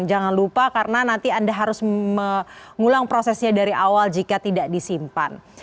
jangan lupa karena nanti anda harus mengulang prosesnya dari awal jika tidak disimpan